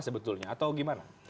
sebetulnya atau gimana